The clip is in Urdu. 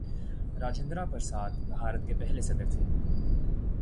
راجندرہ پرساد بھارت کے پہلے صدر تھے.